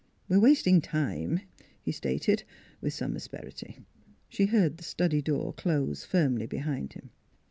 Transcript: ' We are wasting time," he stated, with some asperity. She heard the study door close firmly behind him.